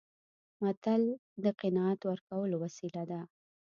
متل د قناعت ورکولو وسیله ده